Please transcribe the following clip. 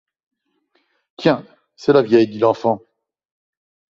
Tiens, c’est la vieille, dit l’enfant.